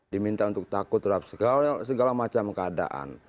diminta untuk takut terhadap segala macam keadaan